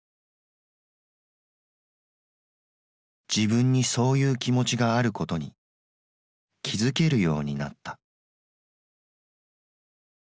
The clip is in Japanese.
「じぶんにそういうきもちがあることにきづけるようになった」。